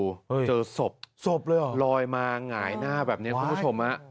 เจอศพศพเลยเหรอลอยมาหงายหน้าแบบนี้คุณผู้ชมฮะ